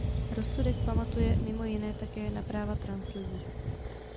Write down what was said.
Rozsudek pamatuje mimo jiné také na práva translidí.